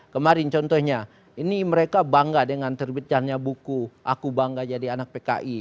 kemarin contohnya ini mereka bangga dengan terbitkannya buku aku bangga jadi anak pki